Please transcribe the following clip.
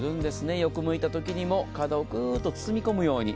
横向いたときにも、体をグーッと包み込むように。